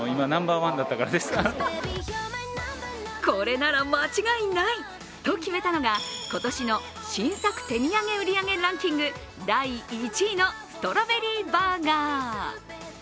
これなら間違いないと決めたのが、今年の新作手土産売り上げランキング第１位のストロベリーバーガー。